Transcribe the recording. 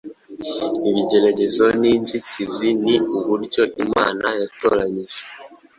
ibigeragezo n’inzitizi ni uburyo imana yatoranyije